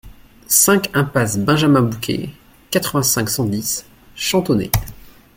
cinq impasse Benjamin Bouquet, quatre-vingt-cinq, cent dix, Chantonnay